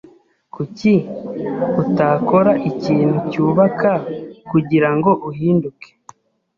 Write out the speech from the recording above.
Kuki utakora ikintu cyubaka kugirango uhinduke?